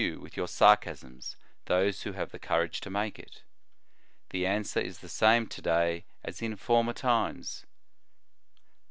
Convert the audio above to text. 125 with your sarcasms those who have the cour age to make it ? The answer is the same to o day as in former times.